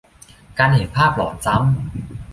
การเห็นภาพหลอนซ้ำ